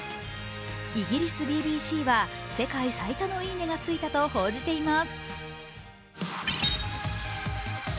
イギリス・ＢＢＣは、世界最多のいいねがついたと報じています。